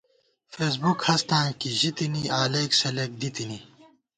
فېسبُک ہستاں کی ژِتِنہ، علَئیک سلَئیک دی تِنی